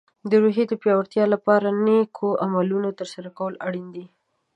د روحیې د پیاوړتیا لپاره د نیکو عملونو ترسره کول اړین دي.